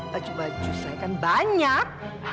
baju baju saya kan banyak